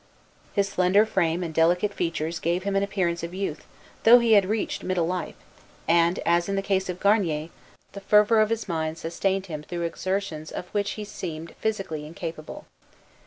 His slender frame and delicate features gave him an appearance of youth, though he had reached middle life; and, as in the case of Garnier, the fervor of his mind sustained him through exertions of which he seemed physically incapable.